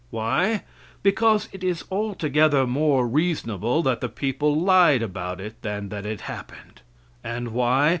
Why? Because it is altogether more reasonable that the people lied about it than that it happened. And why?